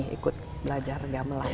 saya ingin ikut belajar gamelan